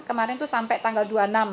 kemarin itu sampai tanggal dua puluh enam